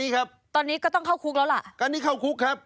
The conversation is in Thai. กันนี้เข้าคุกครับ